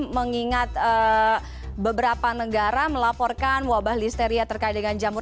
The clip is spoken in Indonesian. mengingat beberapa negara melaporkan wabah listeria terkait dengan jamur